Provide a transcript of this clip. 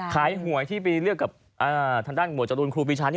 ขายหวยที่ไปเลือกธัญดั้งหมดจฎรูณคลูปลิชัน